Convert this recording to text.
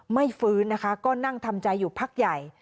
ไม่ฟื้นนะคะก็นั่งทำใจอยู่พักใหญ่